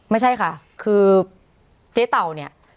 ไม่ใช่ค่ะคือเจ๊เต่าเนี่ย